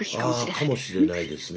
ああかもしれないですねえ。